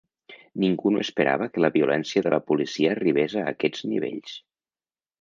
Ningú no esperava que la violència de la policia arribés a aquests nivells.